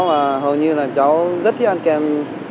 mà hầu như là cháu rất thích ăn kem